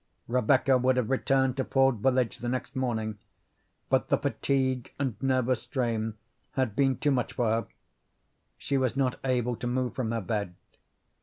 Rebecca would have returned to Ford Village the next morning, but the fatigue and nervous strain had been too much for her. She was not able to move from her bed.